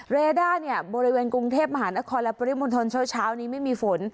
เรด้าเนี่ยบริเวณกรุงเทพมหานครและปริมณฑลเช้านี้ไม่มีฝน